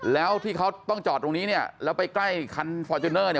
แล้วที่เขาต้องจอดตรงนี้เนี่ยแล้วไปใกล้คันฟอร์จูเนอร์เนี่ย